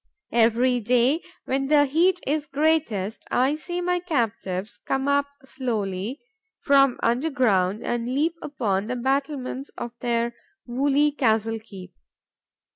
Every day, when the heat is greatest, I see my captives come up slowly from under ground and lean upon the battlements of their woolly castle keep.